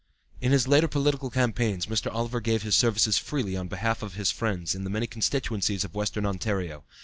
In his later political campaigns Mr. Oliver gave his services freely on behalf of his friends in many constituencies of Western Ontario.